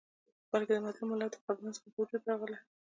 بلکي د مظلوم ملت د قبرونو څخه په وجود راغلی